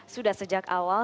sudah sejak awal